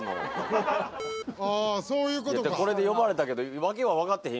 これで呼ばれたけど訳は分かってへんよ。